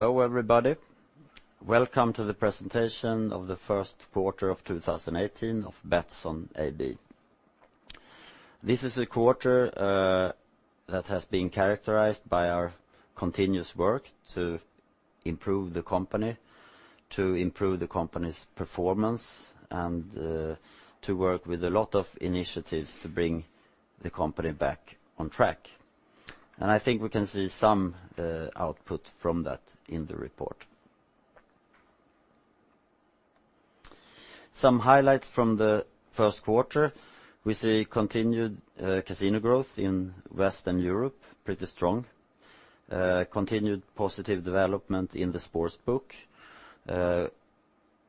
Hello, everybody. Welcome to the presentation of the first quarter of 2018 of Betsson AB. This is a quarter that has been characterized by our continuous work to improve the company, to improve the company's performance, and to work with a lot of initiatives to bring the company back on track. I think we can see some output from that in the report. Some highlights from the first quarter, we see continued casino growth in Western Europe, pretty strong. Continued positive development in the sportsbook.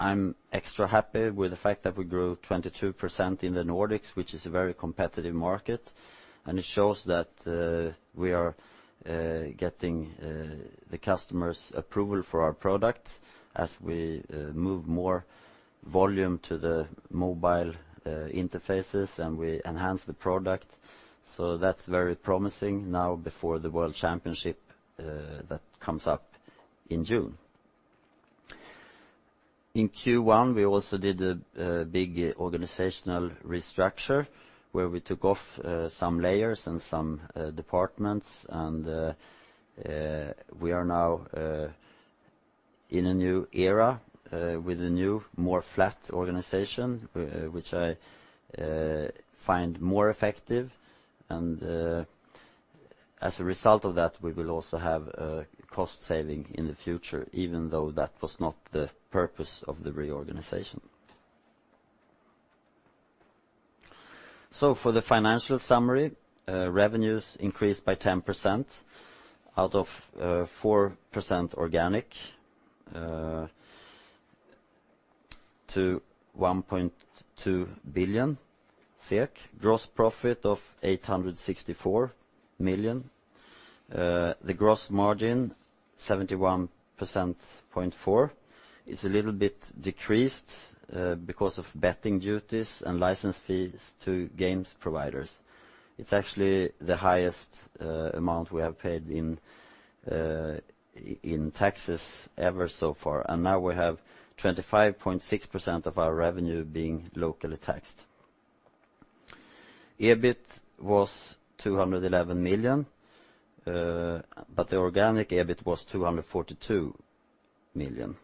I'm extra happy with the fact that we grew 22% in the Nordics, which is a very competitive market, and it shows that we are getting the customers' approval for our product as we move more volume to the mobile interfaces, and we enhance the product. That's very promising now before the world championship that comes up in June. In Q1, we also did a big organizational restructure where we took off some layers and some departments, and we are now in a new era with a new, more flat organization, which I find more effective. As a result of that, we will also have a cost saving in the future, even though that was not the purpose of the reorganization. For the financial summary, revenues increased by 10% out of 4% organic to 1.2 billion. Gross profit of 864 million. The gross margin, 71.4%. It's a little bit decreased because of betting duties and license fees to games providers. It's actually the highest amount we have paid in taxes ever so far. Now we have 25.6% of our revenue being locally taxed. EBIT was 211 million, but the organic EBIT was 242 million.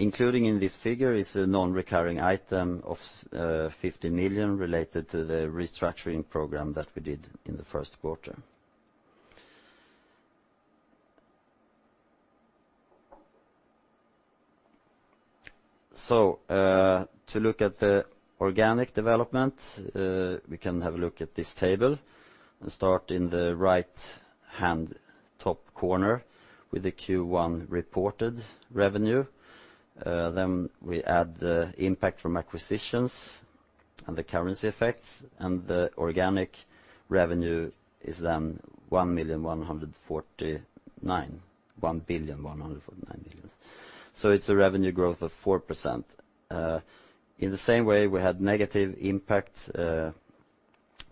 Including in this figure is a non-recurring item of 50 million related to the restructuring program that we did in the first quarter. To look at the organic development, we can have a look at this table and start in the right-hand top corner with the Q1 reported revenue. We add the impact from acquisitions and the currency effects, and the organic revenue is then 1,149.1 million. It's a revenue growth of 4%. In the same way, we had negative impact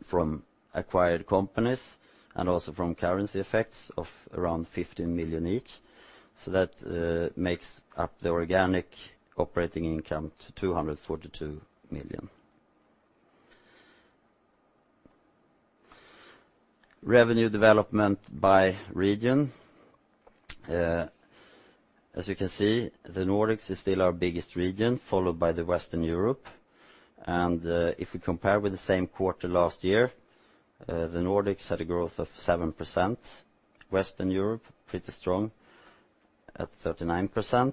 from acquired companies and also from currency effects of around 15 million each. That makes up the organic operating income to 242 million. Revenue development by region. As you can see, the Nordics is still our biggest region, followed by the Western Europe. If we compare with the same quarter last year, the Nordics had a growth of 7%. Western Europe, pretty strong at 39%.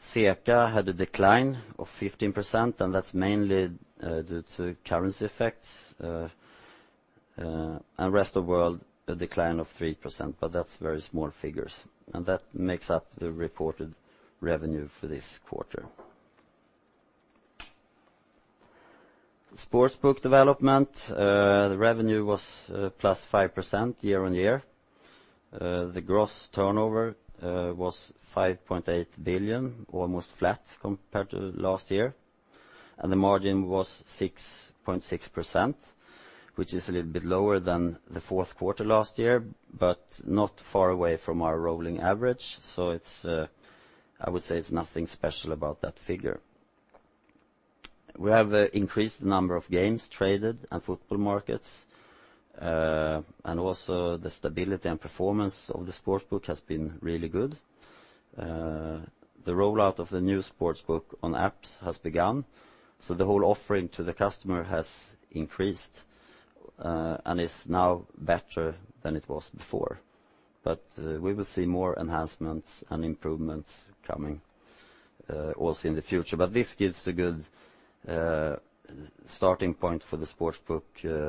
CECA had a decline of 15%, and that's mainly due to currency effects. Rest of world, a decline of 3%, but that's very small figures. That makes up the reported revenue for this quarter. Sportsbook development, the revenue was +5% year-on-year. The gross turnover was 5.8 billion, almost flat compared to last year. The margin was 6.6%, which is a little bit lower than the fourth quarter last year, but not far away from our rolling average. I would say it's nothing special about that figure. We have increased the number of games traded and football markets, and also the stability and performance of the sportsbook has been really good. The rollout of the new sportsbook on apps has begun, the whole offering to the customer has increased and is now better than it was before. We will see more enhancements and improvements coming also in the future. This gives a good starting point for the sportsbook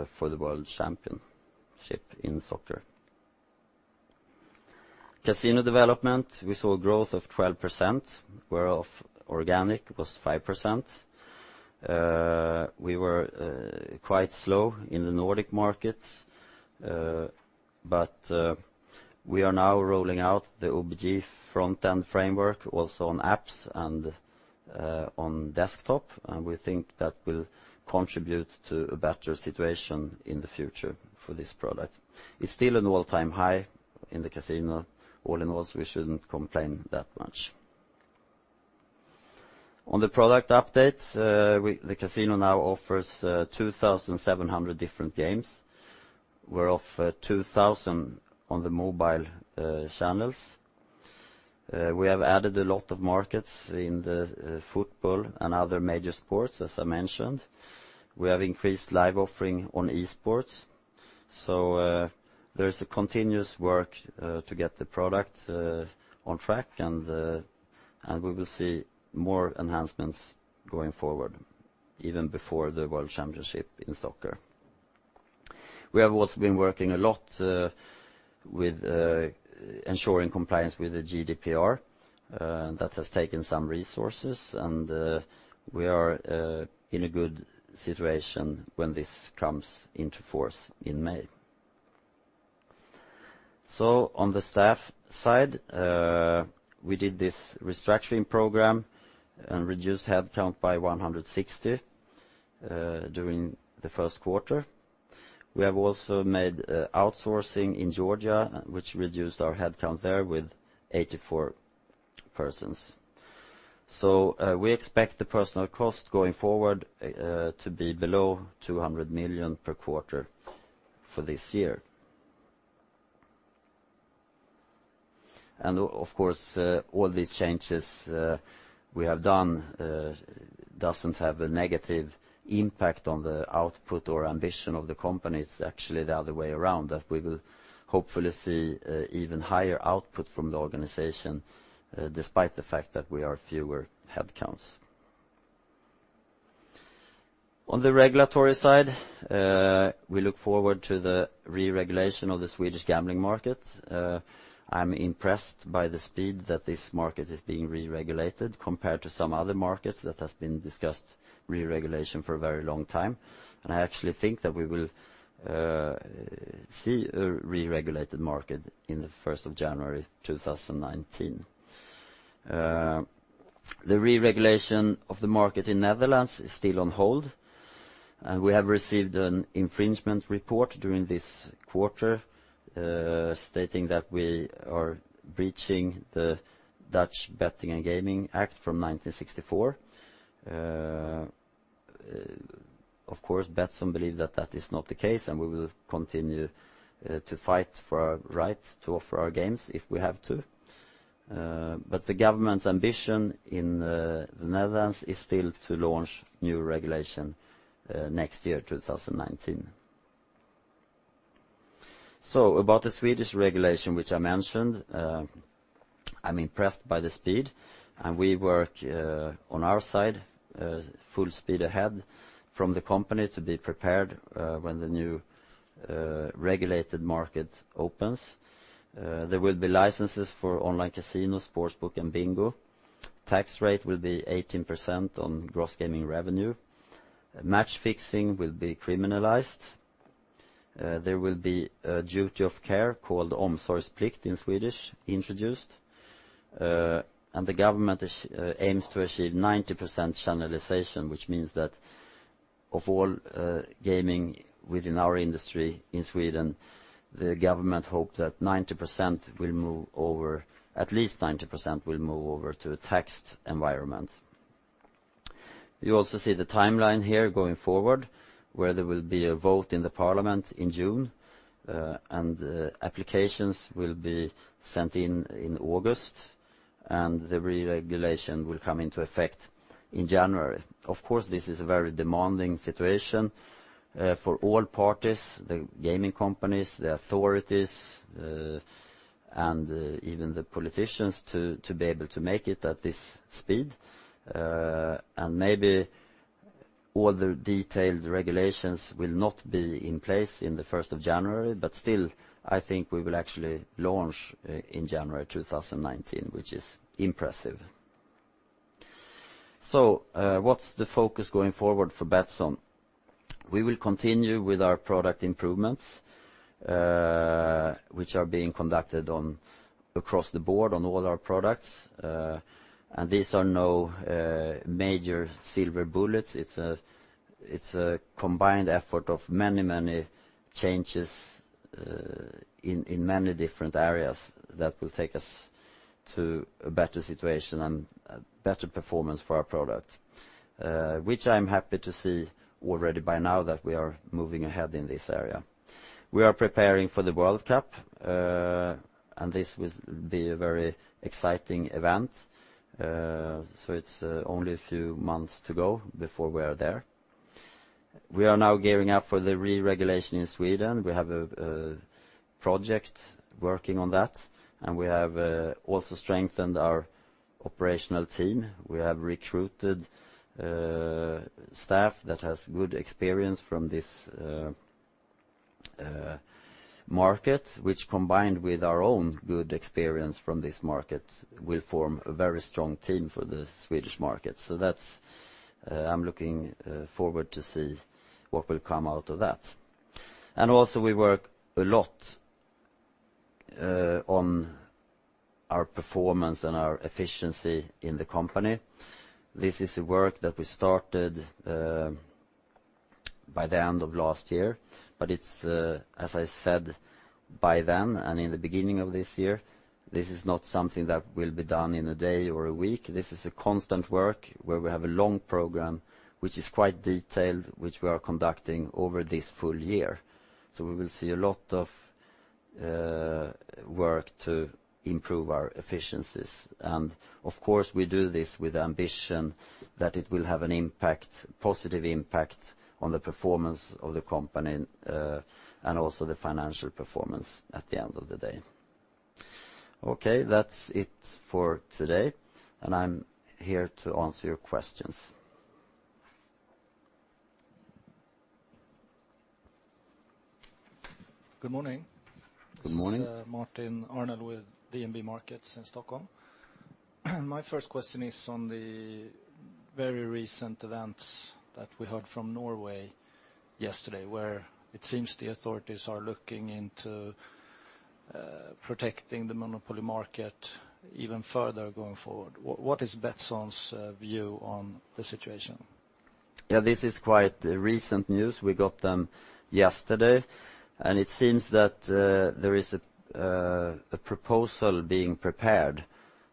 for the world championship in soccer. Casino development, we saw growth of 12%, where of organic was 5%. We were quite slow in the Nordic markets, but we are now rolling out the OBG front-end framework also on apps and on desktop, and we think that will contribute to a better situation in the future for this product. It's still an all-time high in the casino. All in all, we shouldn't complain that much. On the product updates, the casino now offers 2,700 different games, where of 2,000 on the mobile channels. We have added a lot of markets in football and other major sports, as I mentioned. We have increased live offering on esports. There is a continuous work to get the product on track, and we will see more enhancements going forward, even before the world championship in soccer. We have also been working a lot with ensuring compliance with the GDPR. That has taken some resources, and we are in a good situation when this comes into force in May. On the staff side, we did this restructuring program and reduced headcount by 160 during the first quarter. We have also made outsourcing in Georgia, which reduced our headcount there with 84 persons. We expect the personal cost going forward to be below 200 million per quarter for this year. Of course, all these changes we have done doesn't have a negative impact on the output or ambition of the company. It's actually the other way around, that we will hopefully see even higher output from the organization, despite the fact that we are fewer headcounts. On the regulatory side, we look forward to the re-regulation of the Swedish gambling market. I'm impressed by the speed that this market is being re-regulated compared to some other markets that has been discussed re-regulation for a very long time. I actually think that we will see a re-regulated market in the 1st of January 2019. The re-regulation of the market in Netherlands is still on hold, and we have received an infringement report during this quarter, stating that we are breaching the Dutch Betting and Gaming Act from 1964. Of course, Betsson believe that that is not the case, and we will continue to fight for our right to offer our games if we have to. The government's ambition in the Netherlands is still to launch new regulation next year, 2019. About the Swedish regulation, which I mentioned, I'm impressed by the speed, and we work on our side full speed ahead from the company to be prepared when the new regulated market opens. There will be licenses for online casino, sportsbook, and bingo. Tax rate will be 18% on gross gaming revenue. Match fixing will be criminalized. There will be a duty of care called 'Omsorgsplikt' in Swedish introduced and the government aims to achieve 90% channelization, which means that of all gaming within our industry in Sweden, the government hope at least 90% will move over to a taxed environment. You also see the timeline here going forward, where there will be a vote in the parliament in June, applications will be sent in in August, and the re-regulation will come into effect in January. Of course, this is a very demanding situation for all parties, the gaming companies, the authorities, and even the politicians to be able to make it at this speed. Maybe all the detailed regulations will not be in place in the 1st of January, but still, I think we will actually launch in January 2019, which is impressive. What's the focus going forward for Betsson? We will continue with our product improvements, which are being conducted across the board on all our products. These are no major silver bullets. It's a combined effort of many changes in many different areas that will take us to a better situation and better performance for our product, which I'm happy to see already by now that we are moving ahead in this area. We are preparing for the World Cup, and this will be a very exciting event. It's only a few months to go before we are there. We are now gearing up for the re-regulation in Sweden. We have a project working on that, and we have also strengthened our operational team. We have recruited staff that has good experience from this market, which combined with our own good experience from this market, will form a very strong team for the Swedish market. That I'm looking forward to see what will come out of that. Also we work a lot on our performance and our efficiency in the company. This is work that we started by the end of last year, but as I said by then and in the beginning of this year, this is not something that will be done in a day or a week. This is a constant work where we have a long program, which is quite detailed, which we are conducting over this full year. We will see a lot of work to improve our efficiencies. Of course, we do this with the ambition that it will have a positive impact on the performance of the company, and also the financial performance at the end of the day. Okay. That's it for today, and I'm here to answer your questions. Good morning. Good morning. This is Martin Arnell with DNB Markets in Stockholm. My first question is on the very recent events that we heard from Norway yesterday, where it seems the authorities are looking into protecting the monopoly market even further going forward. What is Betsson's view on the situation? Yeah. This is quite recent news. We got them yesterday. It seems that there is a proposal being prepared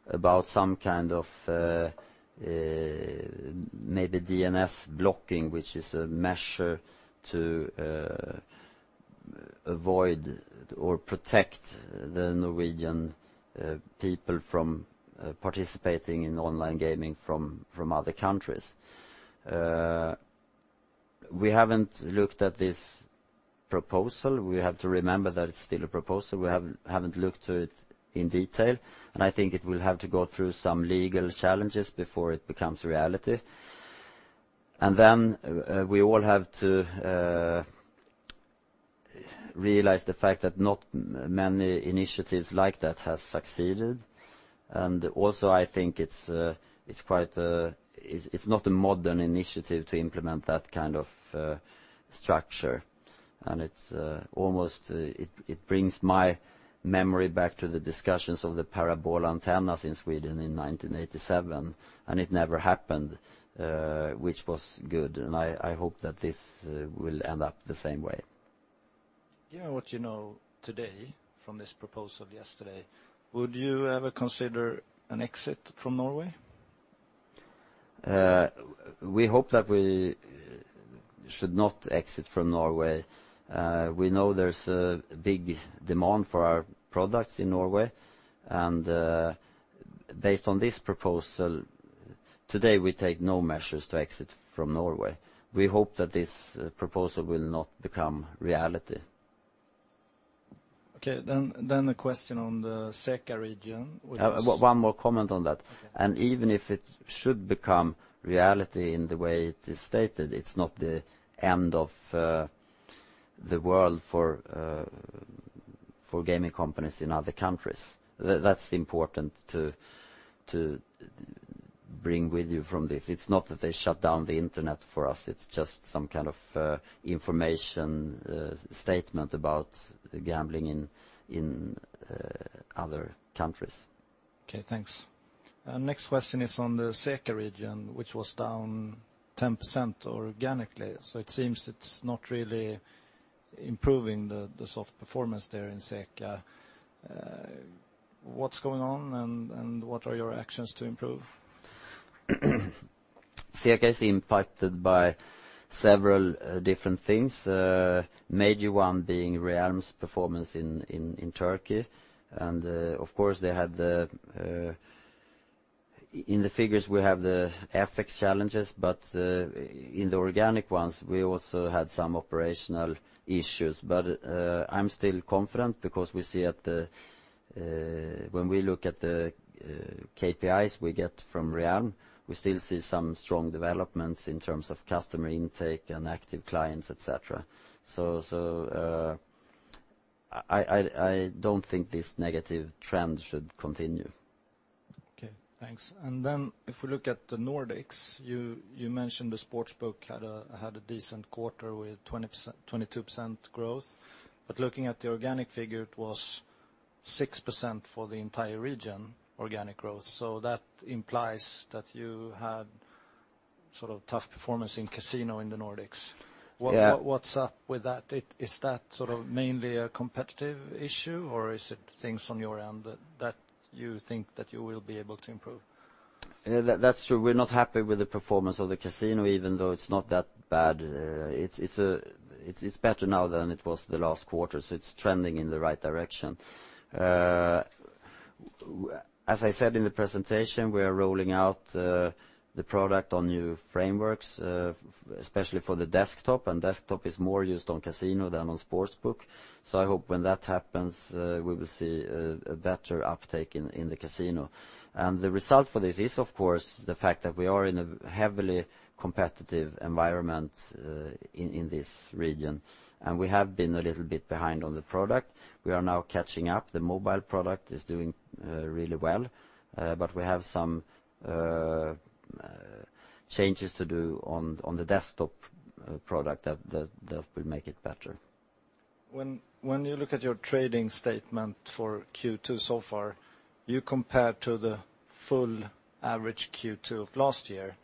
about some kind of maybe DNS blocking, which is a measure to avoid or protect the Norwegian people from participating in online gaming from other countries. We haven't looked at this proposal. We have to remember that it's still a proposal. We haven't looked to it in detail. I think it will have to go through some legal challenges before it becomes reality. Then we all have to realize the fact that not many initiatives like that has succeeded. Also, I think it's not a modern initiative to implement that kind of structure. It brings my memory back to the discussions of the parabola antennas in Sweden in 1987, and it never happened, which was good, and I hope that this will end up the same way. Given what you know today from this proposal yesterday, would you ever consider an exit from Norway? We hope that we should not exit from Norway. We know there's a big demand for our products in Norway. Based on this proposal, today, we take no measures to exit from Norway. We hope that this proposal will not become reality. Okay. A question on the CECA region, which- One more comment on that. Okay. Even if it should become reality in the way it is stated, it's not the end of the world for gaming companies in other countries. That's important to bring with you from this. It's not that they shut down the internet for us, it's just some kind of information statement about gambling in other countries. Okay, thanks. Next question is on the CECA region, which was down 10% organically. It seems it's not really improving the soft performance there in CECA. What's going on and what are your actions to improve? CECA is impacted by several different things, a major one being Realm's performance in Turkey, and of course, in the figures, we have the FX challenges. In the organic ones, we also had some operational issues. I'm still confident because when we look at the KPIs we get from Real, we still see some strong developments in terms of customer intake and active clients, et cetera. I don't think this negative trend should continue. Okay, thanks. Then if we look at the Nordics, you mentioned the sports book had a decent quarter with 22% growth. Looking at the organic figure, it was 6% for the entire region, organic growth. That implies that you had sort of tough performance in casino in the Nordics. Yeah. What's up with that? Is that sort of mainly a competitive issue, or is it things on your end that you think that you will be able to improve? Yeah, that's true. We're not happy with the performance of the casino, even though it's not that bad. It's better now than it was the last quarter, so it's trending in the right direction. As I said in the presentation, we are rolling out the product on new frameworks, especially for the desktop, and desktop is more used on casino than on sportsbook. I hope when that happens, we will see a better uptake in the casino. The result for this is, of course, the fact that we are in a heavily competitive environment in this region, and we have been a little bit behind on the product. We are now catching up. The mobile product is doing really well, but we have some changes to do on the desktop product that will make it better. When you look at your trading statement for Q2 so far, you compare to the full average Q2 of last year.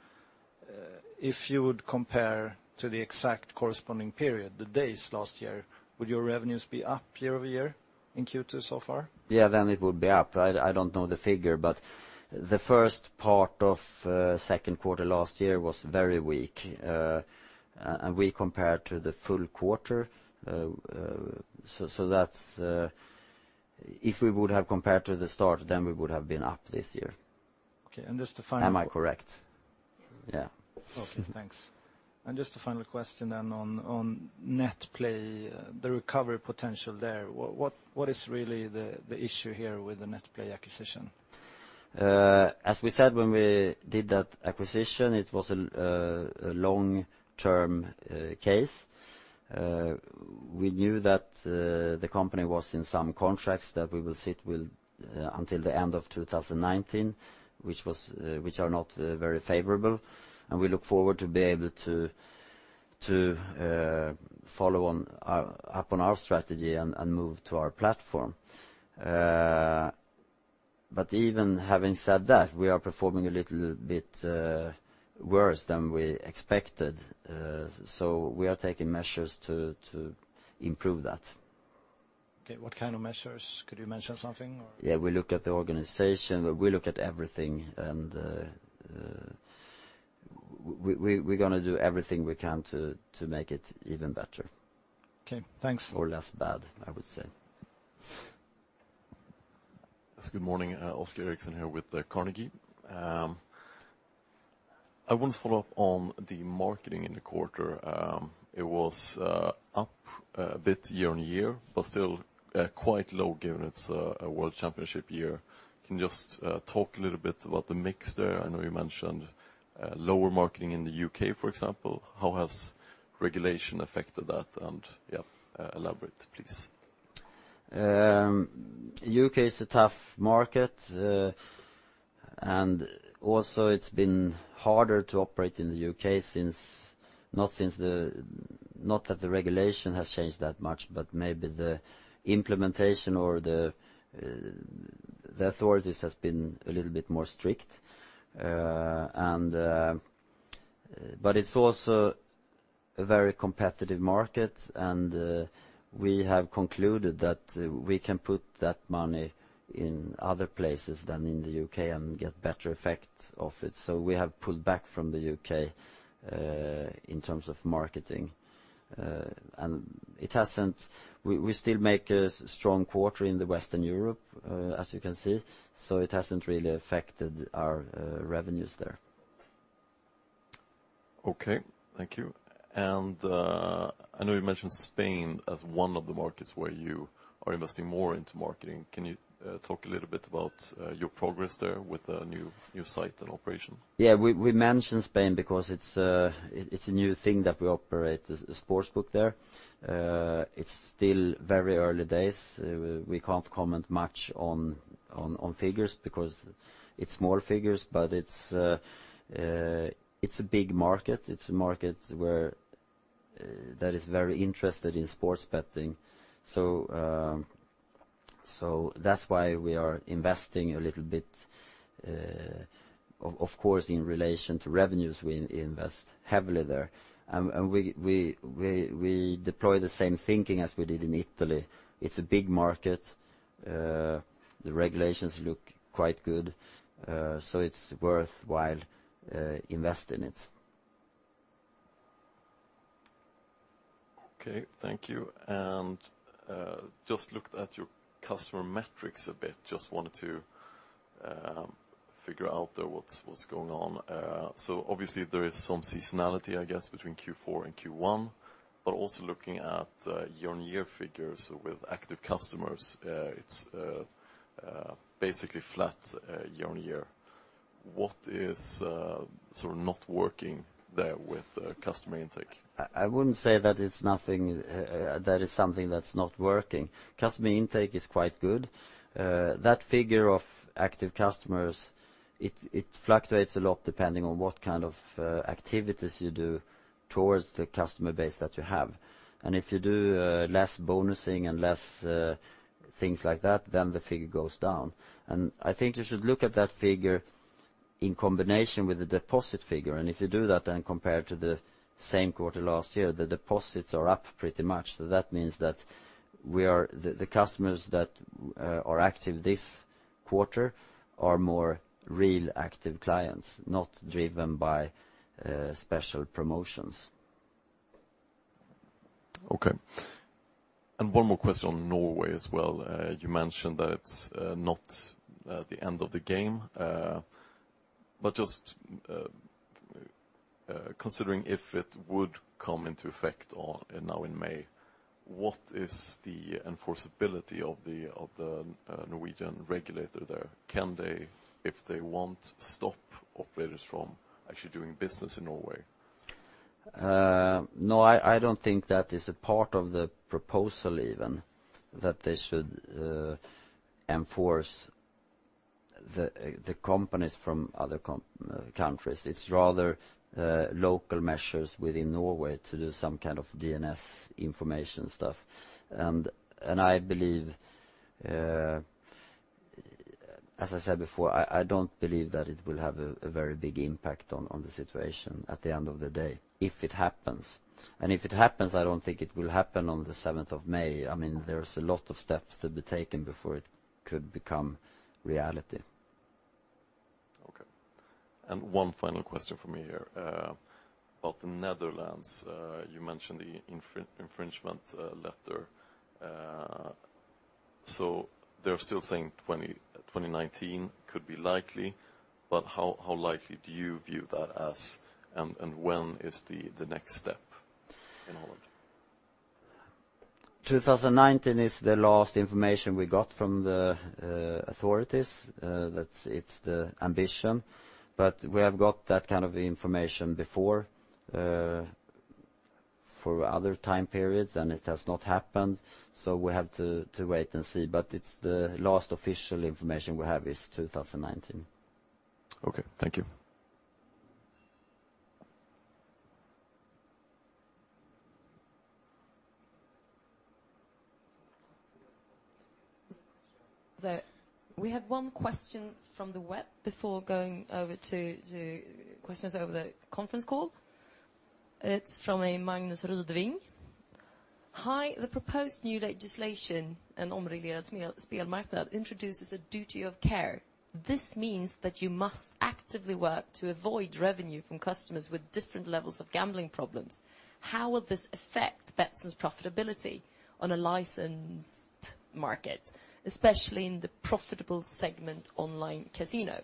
If you would compare to the exact corresponding period, the days last year, would your revenues be up year-over-year in Q2 so far? Yeah. It would be up. I don't know the figure, but the first part of second quarter last year was very weak, and we compared to the full quarter. If we would have compared to the start, then we would have been up this year. Okay. Just the final- Am I correct? Yes. Yeah. Okay, thanks. Just a final question on NetPlay, the recovery potential there. What is really the issue here with the NetPlay acquisition? As we said when we did that acquisition, it was a long-term case. We knew that the company was in some contracts that we will sit with until the end of 2019, which are not very favorable, and we look forward to be able to follow up on our strategy and move to our platform. Even having said that, we are performing a little bit worse than we expected, we are taking measures to improve that. Okay. What kind of measures? Could you mention something, or? Yeah. We look at the organization, we look at everything, and we're going to do everything we can to make it even better. Okay, thanks. Less bad, I would say. Yes. Good morning. Oscar Erixon here with Carnegie. I want to follow up on the marketing in the quarter. It was up a bit year-over-year, but still quite low given it's a world championship year. Can you just talk a little bit about the mix there? I know you mentioned lower marketing in the U.K., for example. How has regulation affected that? Yeah, elaborate, please. U.K. is a tough market. Also, it's been harder to operate in the U.K., not that the regulation has changed that much, but maybe the implementation or the authorities has been a little bit more strict. It's also a very competitive market. We have concluded that we can put that money in other places than in the U.K. and get better effect of it. We have pulled back from the U.K. in terms of marketing. We still make a strong quarter in the Western Europe, as you can see, it hasn't really affected our revenues there. Okay, thank you. I know you mentioned Spain as one of the markets where you are investing more into marketing. Can you talk a little bit about your progress there with the new site and operation? Yeah. We mention Spain because it's a new thing that we operate a sports book there. It's still very early days. We can't comment much on figures because it's small figures. It's a big market. It's a market that is very interested in sports betting, that's why we are investing a little bit. Of course, in relation to revenues, we invest heavily there. We deploy the same thinking as we did in Italy. It's a big market. The regulations look quite good, it's worthwhile invest in it. Okay, thank you. Just looked at your customer metrics a bit. Wanted to figure out there what's going on. Obviously there is some seasonality, I guess, between Q4 and Q1, but also looking at year-on-year figures with active customers, it's basically flat year-on-year. What is not working there with customer intake? I wouldn't say that it's something that's not working. Customer intake is quite good. That figure of active customers, it fluctuates a lot depending on what kind of activities you do towards the customer base that you have. If you do less bonusing and less things like that, then the figure goes down. I think you should look at that figure in combination with the deposit figure. If you do that, then compared to the same quarter last year, the deposits are up pretty much. That means that the customers that are active this quarter are more real active clients, not driven by special promotions. Okay. One more question on Norway as well. You mentioned that it's not the end of the game, but just considering if it would come into effect now in May, what is the enforceability of the Norwegian regulator there? Can they, if they want, stop operators from actually doing business in Norway? No, I don't think that is a part of the proposal even that they should enforce the companies from other countries. It's rather local measures within Norway to do some kind of DNS information stuff. As I said before, I don't believe that it will have a very big impact on the situation at the end of the day, if it happens. If it happens, I don't think it will happen on the 7th of May. There's a lot of steps to be taken before it could become reality. Okay. One final question from me here. About the Netherlands, you mentioned the infringement letter. They're still saying 2019 could be likely. How likely do you view that as? When is the next step in Holland? 2019 is the last information we got from the authorities. That's its ambition. We have got that kind of information before for other time periods. It has not happened. We have to wait and see. It's the last official information we have is 2019. Okay, thank you. We have one question from the web before going over to questions over the conference call. It's from a Magnus Rudling. "Hi. The proposed new legislation and "Introduces a duty of care. This means that you must actively work to avoid revenue from customers with different levels of gambling problems. How will this affect Betsson's profitability on a licensed market, especially in the profitable segment online casino?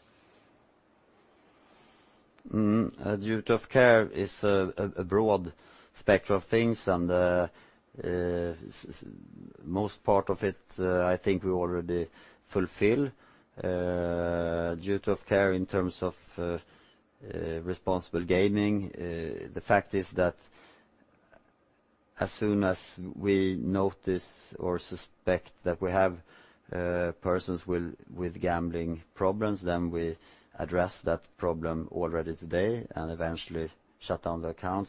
Duty of care is a broad spectrum of things and most part of it, I think we already fulfill. Duty of care in terms of responsible gaming, the fact is that as soon as we notice or suspect that we have persons with gambling problems, we address that problem already today and eventually shut down the account.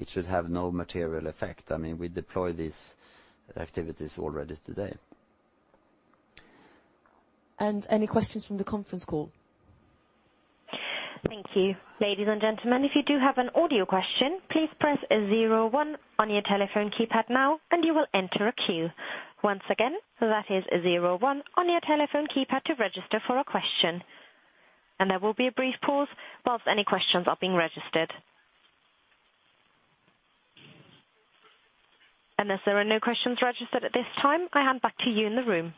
It should have no material effect. We deploy these activities already today. Any questions from the conference call? Thank you. Ladies and gentlemen, if you do have an audio question, please press 01 on your telephone keypad now, you will enter a queue. Once again, that is 01 on your telephone keypad to register for a question. There will be a brief pause whilst any questions are being registered. As there are no questions registered at this time, I hand back to you in the room.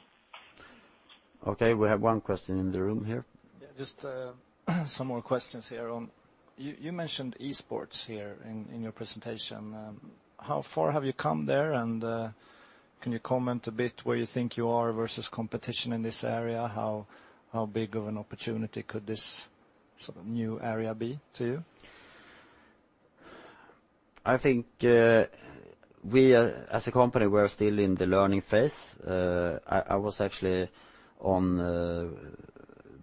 Okay, we have one question in the room here. Yeah, just some more questions here on, you mentioned esports here in your presentation. How far have you come there, and can you comment a bit where you think you are versus competition in this area? How big of an opportunity could this new area be to you? I think we as a company, we're still in the learning phase. I was actually on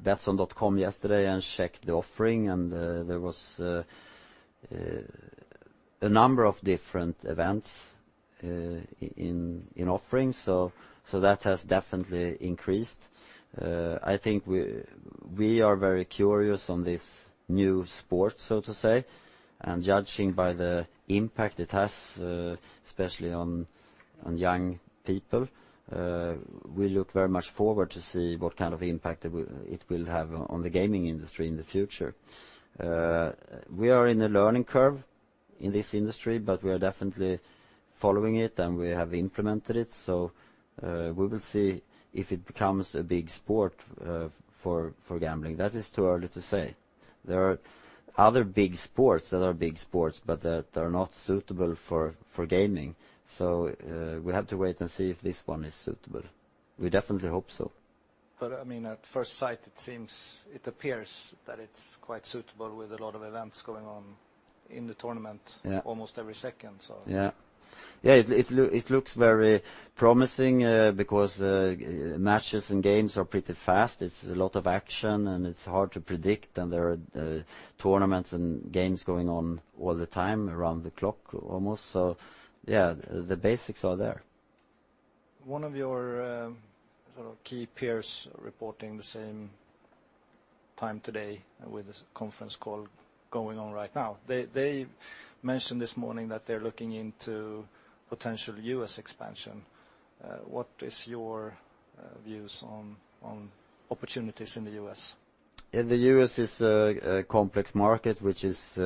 betsson.com yesterday and checked the offering, and there was a number of different events in offerings. That has definitely increased. I think we are very curious on this new sport, so to say, and judging by the impact it has, especially on young people, we look very much forward to see what kind of impact it will have on the gaming industry in the future. We are in a learning curve in this industry, but we are definitely following it, and we have implemented it. We will see if it becomes a big sport for gambling. That is too early to say. There are other big sports that are big sports, but that are not suitable for gaming. We have to wait and see if this one is suitable. We definitely hope so. At first sight, it appears that it's quite suitable with a lot of events going on in the tournament almost every second. Yeah. It looks very promising, because matches and games are pretty fast. It's a lot of action, and it's hard to predict, and there are tournaments and games going on all the time around the clock almost. Yeah, the basics are there. One of your key peers reporting the same time today with this conference call going on right now. They mentioned this morning that they're looking into potential U.S. expansion. What is your views on opportunities in the U.S.? In the U.S. is a complex market which is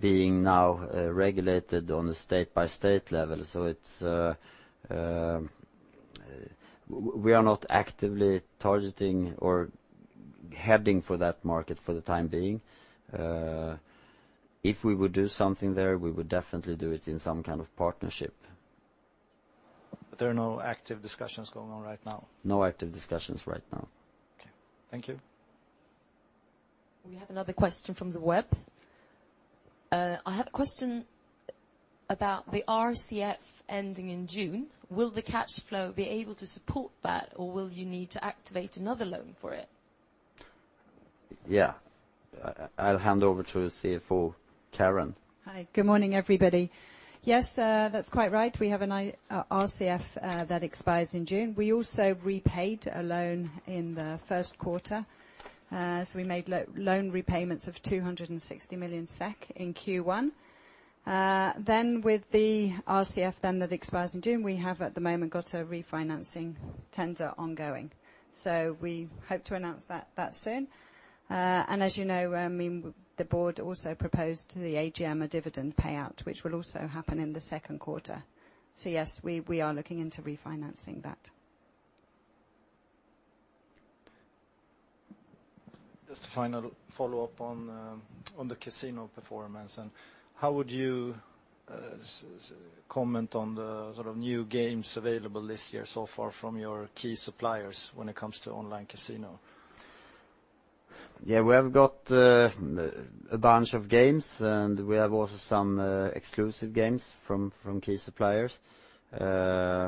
being now regulated on a state-by-state level. We are not actively targeting or heading for that market for the time being. If we would do something there, we would definitely do it in some kind of partnership. There are no active discussions going on right now? No active discussions right now. Okay. Thank you. We have another question from the web. I have a question about the RCF ending in June. Will the cash flow be able to support that, or will you need to activate another loan for it? Yeah. I'll hand over to our CFO, Kaaren. Hi. Good morning, everybody. Yes, that's quite right. We have an RCF that expires in June. We also repaid a loan in the first quarter, we made loan repayments of 260 million SEK in Q1. With the RCF then that expires in June, we have at the moment got a refinancing tender ongoing. We hope to announce that soon. As you know, I mean, the board also proposed to the AGM a dividend payout, which will also happen in the second quarter. Yes, we are looking into refinancing that. Just a final follow-up on the casino performance then. How would you comment on the sort of new games available this year so far from your key suppliers when it comes to online casino? We have got a bunch of games, and we have also some exclusive games from key suppliers. The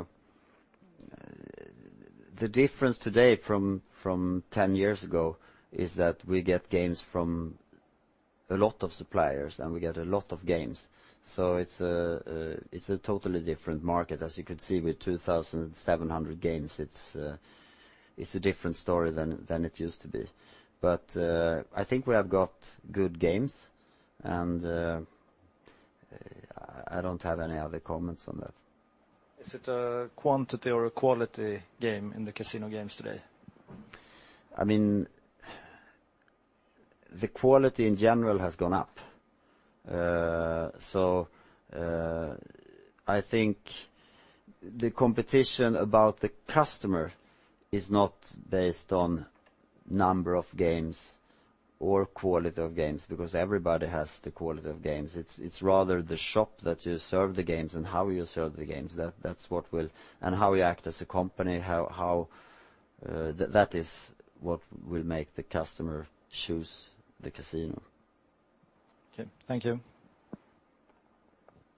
difference today from 10 years ago is that we get games from a lot of suppliers, and we get a lot of games. It's a totally different market, as you could see with 2,700 games. It's a different story than it used to be. I think we have got good games, and I don't have any other comments on that. Is it a quantity or a quality game in the casino games today? I mean, the quality in general has gone up. I think the competition about the customer is not based on number of games or quality of games, because everybody has the quality of games. It's rather the shop that you serve the games and how you serve the games. How we act as a company. That is what will make the customer choose the casino. Okay, thank you.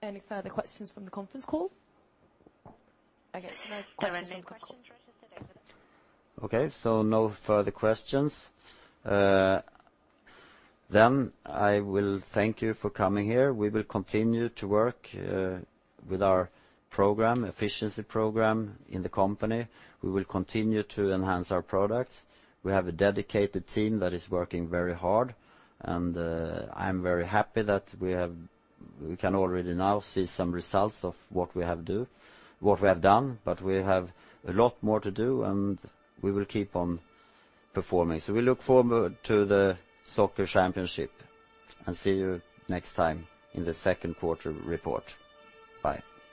Any further questions from the conference call? No questions from the call. No further questions. I will thank you for coming here. We will continue to work with our program, efficiency program in the company. We will continue to enhance our products. We have a dedicated team that is working very hard, and I'm very happy that we can already now see some results of what we have done, but we have a lot more to do, and we will keep on performing. We look forward to the soccer championship, and see you next time in the second quarter report. Bye.